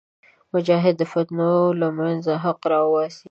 مجاهد د فتنو له منځه حق راوباسي.